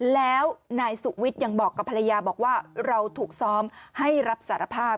แล้วนายสุวิทย์ยังบอกกับภรรยาบอกว่าเราถูกซ้อมให้รับสารภาพ